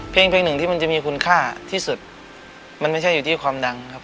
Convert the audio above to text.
เพลงเพลงหนึ่งที่มันจะมีคุณค่าที่สุดมันไม่ใช่อยู่ที่ความดังครับ